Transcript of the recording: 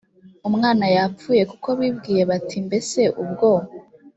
umwana yapfuye kuko bibwiye bati mbese ubwo